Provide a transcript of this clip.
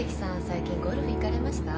最近ゴルフ行かれました？